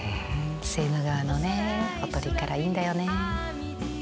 セーヌ川のねほとりからいいんだよね。